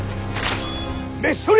召し捕れ！